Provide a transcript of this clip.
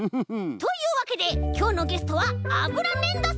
というわけできょうのゲストはあぶらねんどさんでした！